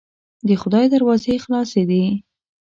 د خدای دروازې خلاصې دي.